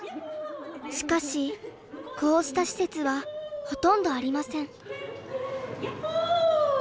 しかしこうした施設はほとんどありません。